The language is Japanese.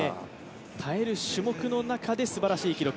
耐える種目の中ですばらしい記録。